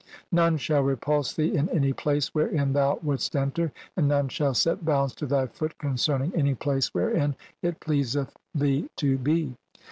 None shall repulse thee in any "place wherein thou wouldst enter, and none shall "set bounds to thy foot concerning any place wherein "it pleaseth thee to be."